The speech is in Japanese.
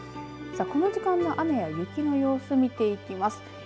この時間の雨や雪の様子を見ていきます。